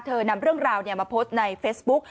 เธอนำเรื่องราวเนี่ยมาโพสต์ในเฟซบุ๊ก